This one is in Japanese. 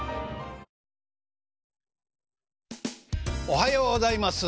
おはようございます。